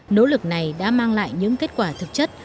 nỗ lực này đã mang lại những kết quả thực chất